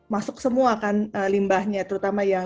masuk semua kan limbahnya terutama yang